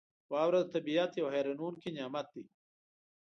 • واوره د طبعیت یو حیرانونکی نعمت دی.